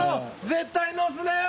絶対に押すなよ！